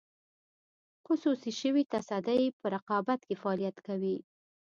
خصوصي شوې تصدۍ په رقابت کې فعالیت کوي.